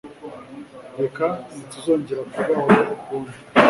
Reka ntituzongere kubaho ukundi.